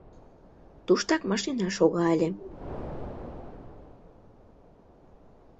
Туштак машина шога ыле.